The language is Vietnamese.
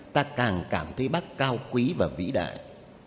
ta càng cảm thấy bắc cao quý và vĩ đại